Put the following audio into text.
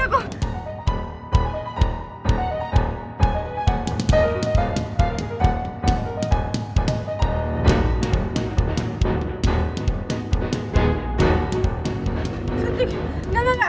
baik banget deh relate